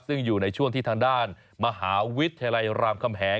ซึ่งอยู่ในช่วงที่ทางด้านมหาวิทยาลัยรามคำแหง